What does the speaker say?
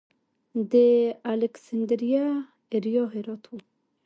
د الکسندریه اریا هرات و